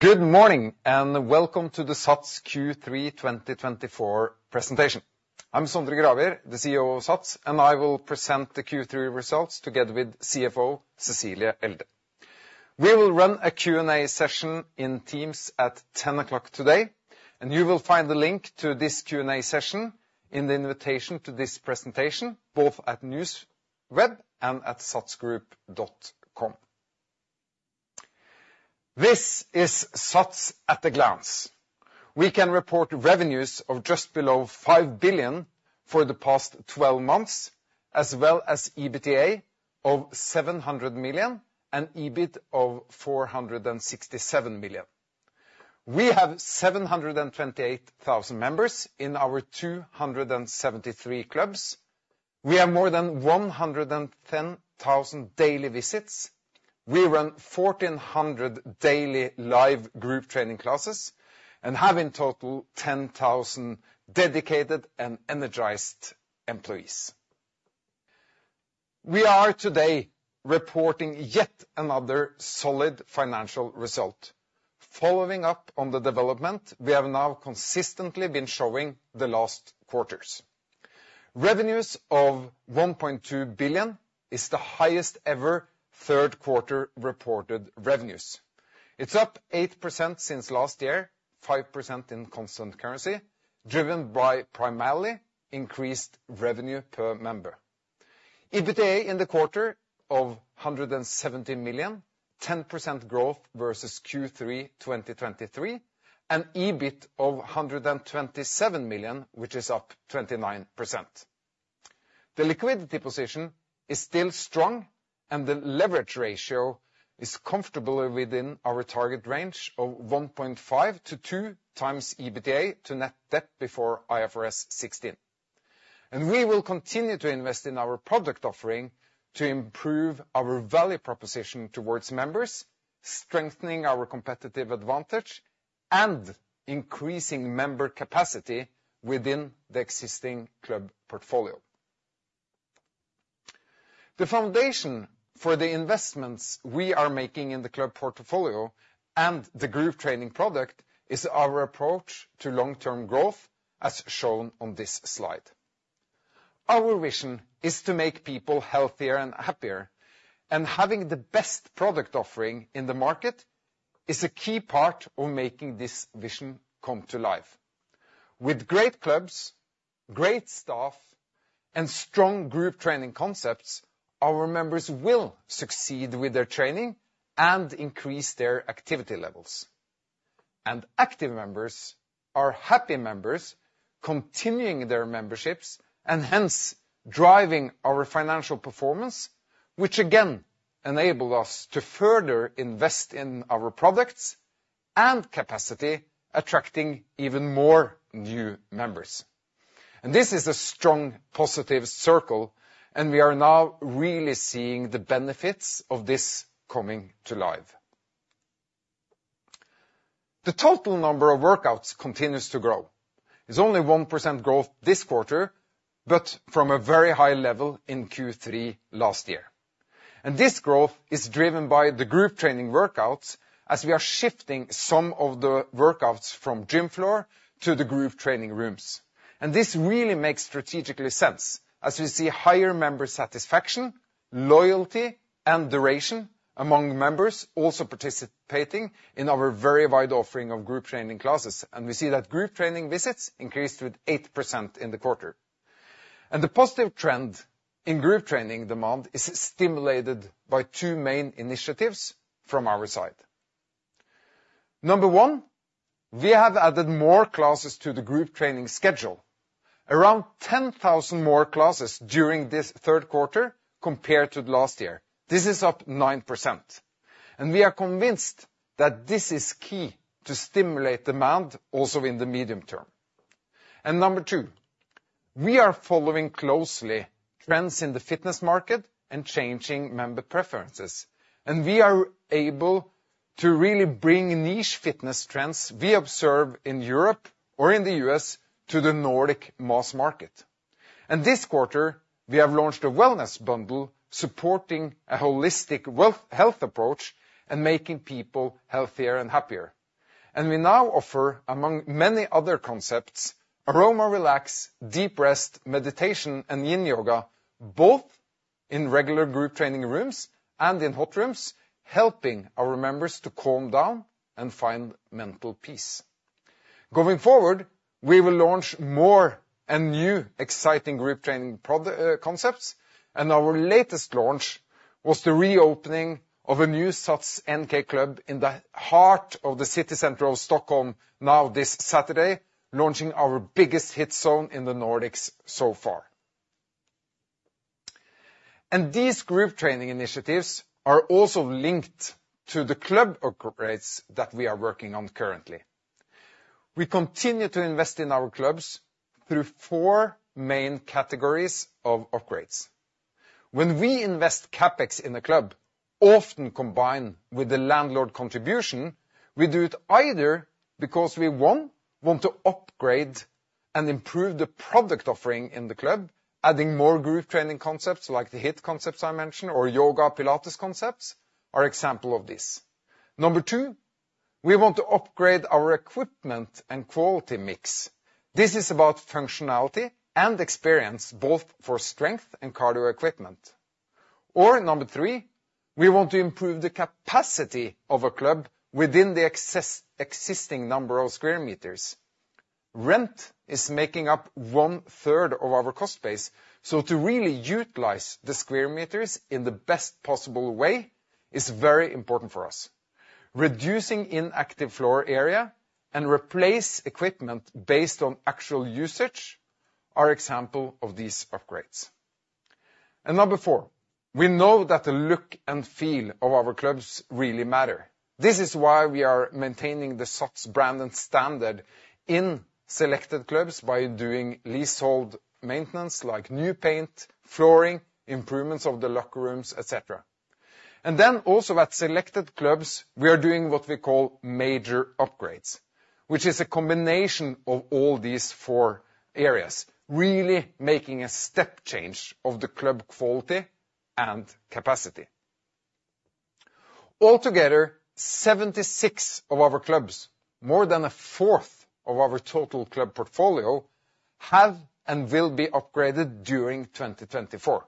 Good morning and welcome to the SATS Q3 2024 presentation. I'm Sondre Gravir, the CEO of SATS, and I will present the Q3 results together with CFO Cecilie Elde. We will run a Q&A session in Teams at 10:00 A.M. today, and you will find the link to this Q&A session in the invitation to this presentation, both at NewsWeb and at satsgroup.com. This is SATS at a glance. We can report revenues of just below 5 billion for the past 12 months, as well as EBITDA of 700 million and EBIT of 467 million. We have 728,000 members in our 273 clubs. We have more than 110,000 daily visits. We run 1,400 daily live group training classes and have in total 10,000 dedicated and energized employees. We are today reporting yet another solid financial result. Following up on the development we have now consistently been showing the last quarters. Revenues of 1.2 billion is the highest ever third quarter reported revenues. It's up 8% since last year, 5% in constant currency, driven by primarily increased revenue per member. EBITDA in the quarter of 170 million, 10% growth versus Q3 2023, and EBIT of 127 million, which is up 29%. The liquidity position is still strong, and the leverage ratio is comfortably within our target range of 1.5-2 times EBITDA to net debt before IFRS 16, and we will continue to invest in our product offering to improve our value proposition towards members, strengthening our competitive advantage and increasing member capacity within the existing club portfolio. The foundation for the investments we are making in the club portfolio and the group training product is our approach to long-term growth, as shown on this slide. Our vision is to make people healthier and happier, and having the best product offering in the market is a key part of making this vision come to life. With great clubs, great staff, and strong group training concepts, our members will succeed with their training and increase their activity levels, and active members are happy members continuing their memberships and hence driving our financial performance, which again enables us to further invest in our products and capacity, attracting even more new members, and this is a strong positive circle, and we are now really seeing the benefits of this coming to life. The total number of workouts continues to grow. It's only 1% growth this quarter, but from a very high level in Q3 last year. This growth is driven by the group training workouts, as we are shifting some of the workouts from gym floor to the group training rooms. This really makes strategic sense, as we see higher member satisfaction, loyalty, and duration among members also participating in our very wide offering of group training classes. We see that group training visits increased with 8% in the quarter. The positive trend in group training demand is stimulated by two main initiatives from our side. Number one, we have added more classes to the group training schedule, around 10,000 more classes during this third quarter compared to last year. This is up 9%. We are convinced that this is key to stimulate demand also in the medium term. Number two, we are following closely trends in the fitness market and changing member preferences. We are able to really bring niche fitness trends we observe in Europe or in the U.S. to the Nordic mass market. This quarter, we have launched a Wellness Bundle supporting a holistic health approach and making people healthier and happier. We now offer, among many other concepts, Aroma Relax, Deep Rest, meditation, and Yin Yoga, both in regular group training rooms and in hot rooms, helping our members to calm down and find mental peace. Going forward, we will launch more and new exciting group training concepts. Our latest launch was the reopening of a new SATS NK club in the heart of the city center of Stockholm now this Saturday, launching our biggest HIIT Zone in the Nordics so far. These group training initiatives are also linked to the club upgrades that we are working on currently. We continue to invest in our clubs through four main categories of upgrades. When we invest CapEx in a club, often combined with the landlord contribution, we do it either because we want to upgrade and improve the product offering in the club, adding more group training concepts like the HIIT concepts I mentioned or yoga Pilates concepts are an example of this. Number two, we want to upgrade our equipment and quality mix. This is about functionality and experience, both for strength and cardio equipment, or number three, we want to improve the capacity of a club within the existing number of square meters. Rent is making up one third of our cost base, so to really utilize the square meters in the best possible way is very important for us. Reducing inactive floor area and replacing equipment based on actual usage are an example of these upgrades. Number four, we know that the look and feel of our clubs really matter. This is why we are maintaining the SATS brand and standard in selected clubs by doing leasehold maintenance like new paint, flooring, improvements of the locker rooms, etc. Then also at selected clubs, we are doing what we call major upgrades, which is a combination of all these four areas, really making a step change of the club quality and capacity. Altogether, 76 of our clubs, more than a fourth of our total club portfolio, have and will be upgraded during 2024.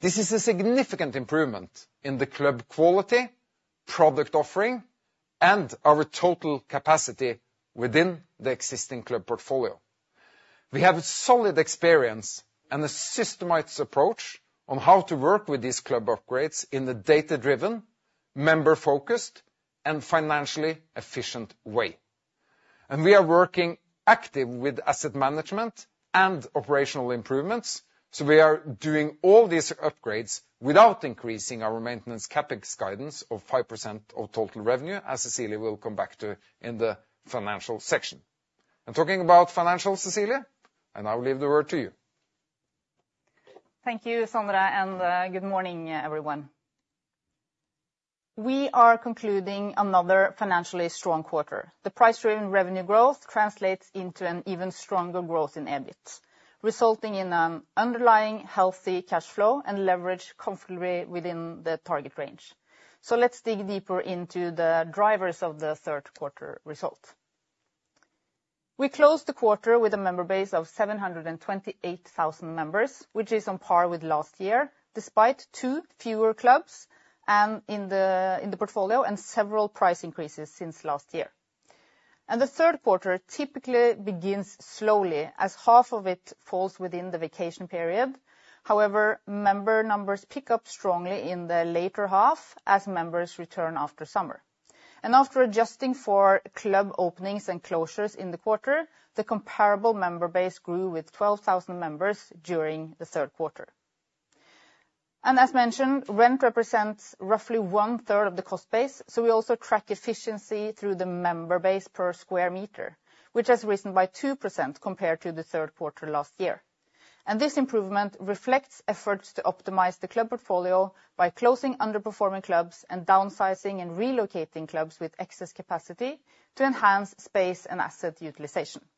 This is a significant improvement in the club quality, product offering, and our total capacity within the existing club portfolio. We have a solid experience and a systemized approach on how to work with these club upgrades in a data-driven, member-focused, and financially efficient way. We are working active with asset management and operational improvements, so we are doing all these upgrades without increasing our maintenance CapEx guidance of 5% of total revenue, as Cecilie will come back to in the financial section. Talking about financial, Cecilie, and I will leave the word to you. Thank you, Sondre, and good morning, everyone. We are concluding another financially strong quarter. The price-driven revenue growth translates into an even stronger growth in EBIT, resulting in an underlying healthy cash flow and leverage comfortably within the target range, so let's dig deeper into the drivers of the third quarter result. We closed the quarter with a member base of 728,000 members, which is on par with last year, despite two fewer clubs in the portfolio and several price increases since last year, and the third quarter typically begins slowly, as half of it falls within the vacation period. However, member numbers pick up strongly in the later half as members return after summer, and after adjusting for club openings and closures in the quarter, the comparable member base grew with 12,000 members during the third quarter. And as mentioned, rent represents roughly one third of the cost base, so we also track efficiency through the member base per square meter, which has risen by 2% compared to the third quarter last year. And this improvement reflects efforts to optimize the club portfolio by closing underperforming clubs and downsizing and relocating clubs with excess capacity to enhance space and asset utilization.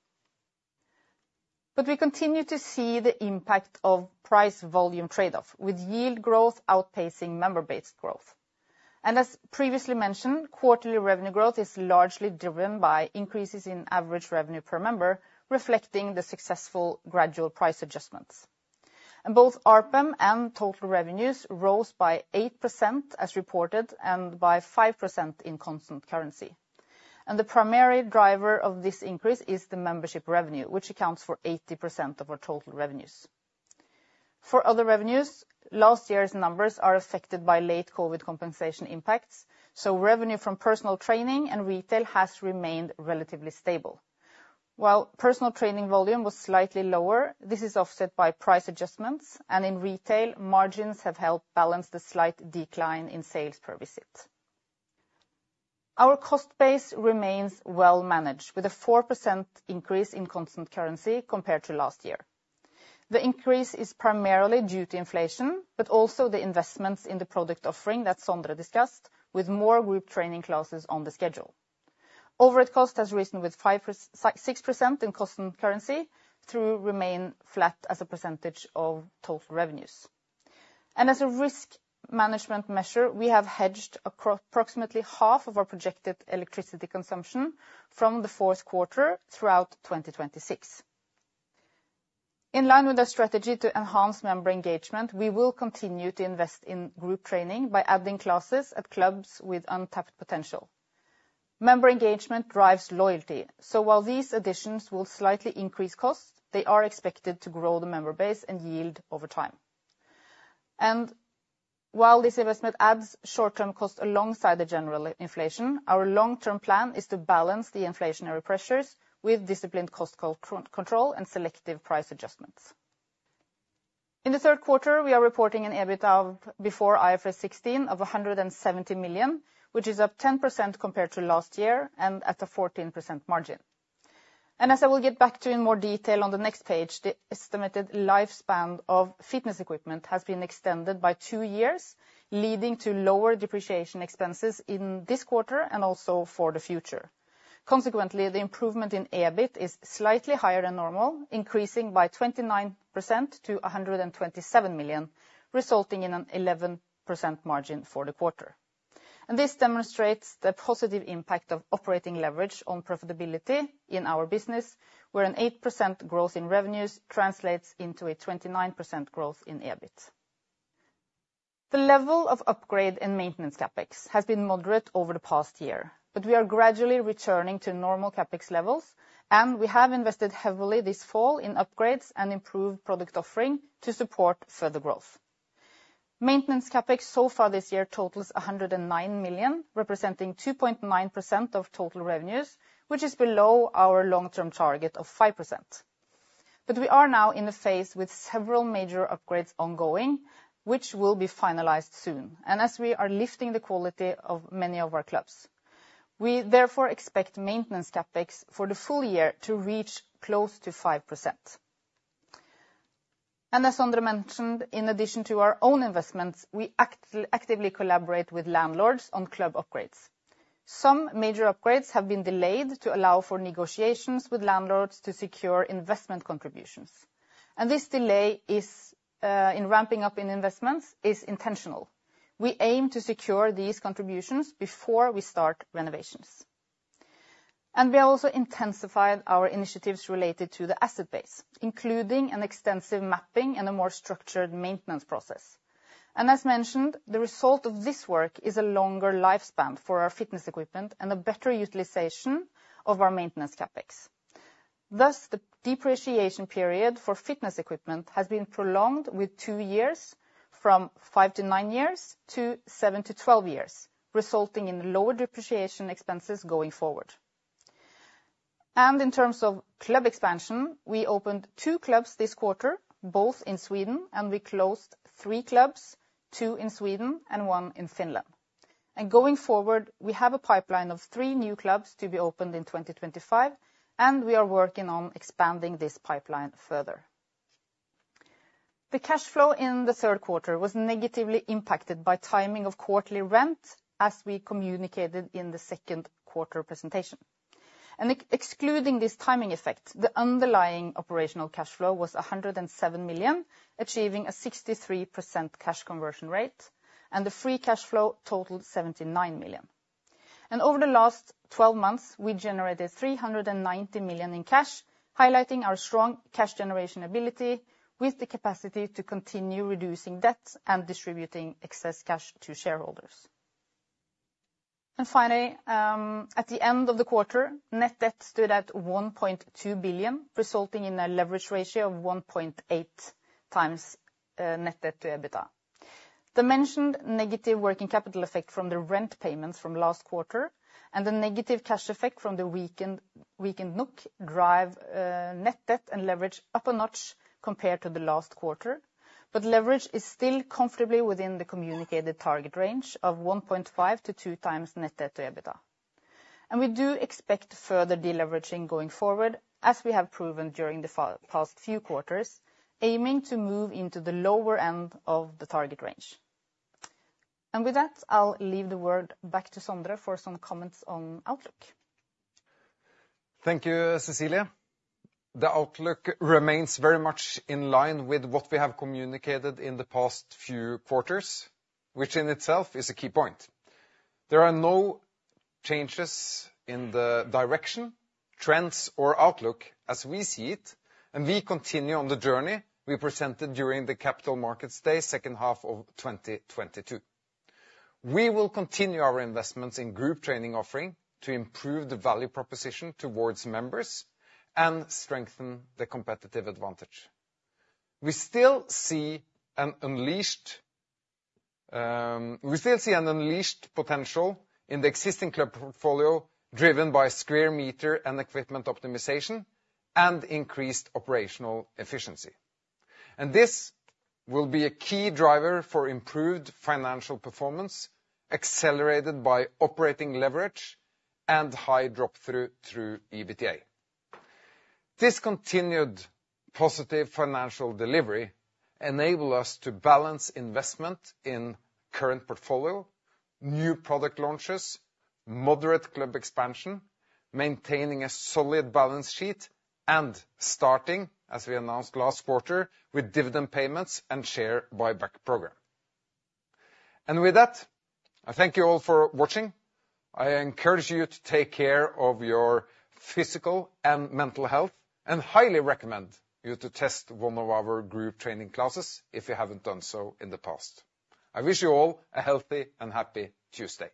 But we continue to see the impact of price-volume trade-off, with yield growth outpacing member base growth. And as previously mentioned, quarterly revenue growth is largely driven by increases in average revenue per member, reflecting the successful gradual price adjustments. And both ARPM and total revenues rose by 8% as reported and by 5% in constant currency. And the primary driver of this increase is the membership revenue, which accounts for 80% of our total revenues. For other revenues, last year's numbers are affected by late COVID compensation impacts, so revenue from personal training and retail has remained relatively stable. While personal training volume was slightly lower, this is offset by price adjustments, and in retail, margins have helped balance the slight decline in sales per visit. Our cost base remains well managed with a 4% increase in constant currency compared to last year. The increase is primarily due to inflation, but also the investments in the product offering that Sondre discussed, with more group training classes on the schedule. Overhead cost has risen by 6% in constant currency while remaining flat as a percentage of total revenues, and as a risk management measure, we have hedged approximately half of our projected electricity consumption from the fourth quarter throughout 2026. In line with our strategy to enhance member engagement, we will continue to invest in group training by adding classes at clubs with untapped potential. Member engagement drives loyalty, so while these additions will slightly increase costs, they are expected to grow the member base and yield over time. While this investment adds short-term cost alongside the general inflation, our long-term plan is to balance the inflationary pressures with disciplined cost control and selective price adjustments. In the third quarter, we are reporting an EBIT before IFRS 16 of 170 million, which is up 10% compared to last year and at a 14% margin. As I will get back to in more detail on the next page, the estimated lifespan of fitness equipment has been extended by two years, leading to lower depreciation expenses in this quarter and also for the future. Consequently, the improvement in EBIT is slightly higher than normal, increasing by 29% to 127 million, resulting in an 11% margin for the quarter, and this demonstrates the positive impact of operating leverage on profitability in our business, where an 8% growth in revenues translates into a 29% growth in EBIT. The level of upgrade and maintenance CapEx has been moderate over the past year, but we are gradually returning to normal CapEx levels, and we have invested heavily this fall in upgrades and improved product offering to support further growth. Maintenance CapEx so far this year totals 109 million, representing 2.9% of total revenues, which is below our long-term target of 5%, but we are now in a phase with several major upgrades ongoing, which will be finalized soon, and as we are lifting the quality of many of our clubs. We therefore expect Maintenance CapEx for the full year to reach close to 5%. And as Sondre mentioned, in addition to our own investments, we actively collaborate with landlords on club upgrades. Some major upgrades have been delayed to allow for negotiations with landlords to secure investment contributions. And this delay in ramping up investments is intentional. We aim to secure these contributions before we start renovations. And we have also intensified our initiatives related to the asset base, including an extensive mapping and a more structured maintenance process. And as mentioned, the result of this work is a longer lifespan for our fitness equipment and a better utilization of our Maintenance CapEx. Thus, the depreciation period for fitness equipment has been prolonged with two years, from five to nine years to seven to twelve years, resulting in lower depreciation expenses going forward. In terms of club expansion, we opened two clubs this quarter, both in Sweden, and we closed three clubs, two in Sweden and one in Finland. Going forward, we have a pipeline of three new clubs to be opened in 2025, and we are working on expanding this pipeline further. The cash flow in the third quarter was negatively impacted by timing of quarterly rent, as we communicated in the second quarter presentation. Excluding this timing effect, the underlying operational cash flow was 107 million, achieving a 63% cash conversion rate, and the free cash flow totaled 79 million. Over the last 12 months, we generated 390 million in cash, highlighting our strong cash generation ability with the capacity to continue reducing debt and distributing excess cash to shareholders. Finally, at the end of the quarter, net debt stood at 1.2 billion, resulting in a leverage ratio of 1.8 times net debt to EBITDA. The mentioned negative working capital effect from the rent payments from last quarter and the negative cash effect from the weakened NOK drive net debt and leverage up a notch compared to the last quarter, but leverage is still comfortably within the communicated target range of 1.5-2 times net debt to EBITDA. We do expect further deleveraging going forward, as we have proven during the past few quarters, aiming to move into the lower end of the target range. With that, I'll leave the word back to Sondre for some comments on Outlook. Thank you, Cecilie. The outlook remains very much in line with what we have communicated in the past few quarters, which in itself is a key point. There are no changes in the direction, trends, or outlook as we see it, and we continue on the journey we presented during the Capital Markets Day second half of 2022. We will continue our investments in group training offering to improve the value proposition towards members and strengthen the competitive advantage. We still see an unleashed potential in the existing club portfolio driven by square meter and equipment optimization and increased operational efficiency, and this will be a key driver for improved financial performance accelerated by operating leverage and high drop-through through EBITDA. This continued positive financial delivery enables us to balance investment in current portfolio, new product launches, moderate club expansion, maintaining a solid balance sheet, and starting, as we announced last quarter, with dividend payments and share buyback program. And with that, I thank you all for watching. I encourage you to take care of your physical and mental health, and highly recommend you to test one of our group training classes if you haven't done so in the past. I wish you all a healthy and happy Tuesday.